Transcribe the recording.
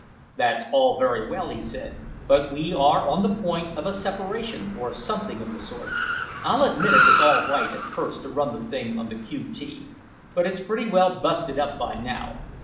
"That's all very well," he said, "but we are on the point of a separation, or something of the sort. I'll admit it was all right at first to run the thing on the Q.T., but that's pretty well busted up by now.